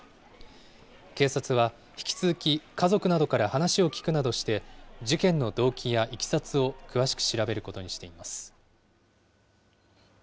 警察は、引き続き家族などから話を聞くなどして、事件の動機やいきさつを詳しく調べることにしています。